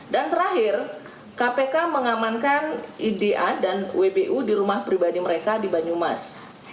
dan terakhir kpk mengamankan ida dan wbu di rumah pribadi mereka di banyumas